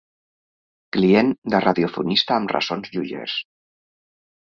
Client de radiofonista amb ressons joiers.